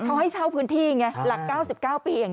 เขาให้เช่าพื้นที่หลัก๙๙ปี